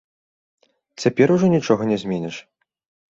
Цяпер ужо нічога не зменіш.